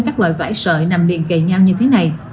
các loại vải sợi nằm liền kề ngang như thế này